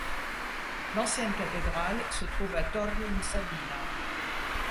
L'ancienne cathédrale se trouve à Torri in Sabina.